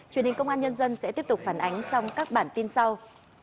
truyền hình công an nhân dân sẽ tiếp tục phản ánh trong các bản tin sau